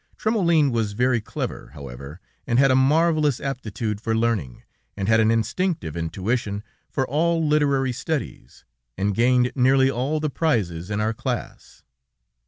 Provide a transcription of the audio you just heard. Trémoulin was very clever, however, and had a marvelous aptitude for learning, and had an instinctive intuition for all literary studies, and gained nearly all the prizes in our class.